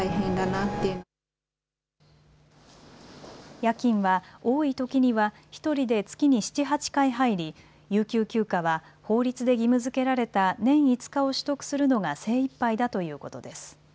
夜勤は多いときには１人で月に７、８回、入り有給休暇は法律で義務づけられた年５日を取得するのが精いっぱいだということです。